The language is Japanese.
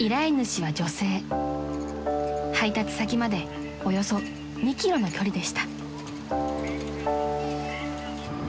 ［配達先までおよそ２ｋｍの距離でした］